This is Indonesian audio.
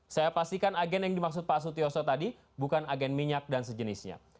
saya pastikan agen yang dimaksud pak sutioso tadi bukan agen minyak dan sejenisnya